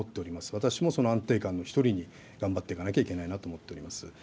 私もその安定感の一人に頑張っていかなきゃいけないなと思っています。